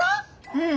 うん。